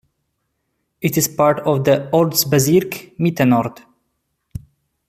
It is part of the "Ortsbezirk Mitte-Nord".